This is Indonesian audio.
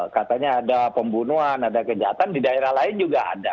katanya ada pembunuhan ada kejahatan di daerah lain juga ada